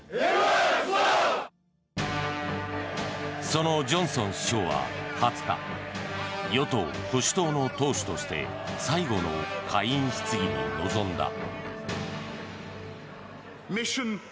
そのジョンソン首相は２０日与党・保守党の党首として最後の下院質疑に臨んだ。